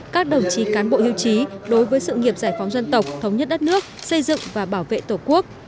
các đồng chí cán bộ hưu trí đối với sự nghiệp giải phóng dân tộc thống nhất đất nước xây dựng và bảo vệ tổ quốc